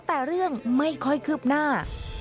แต่เรื่องไม่ค่อยคืบหน้า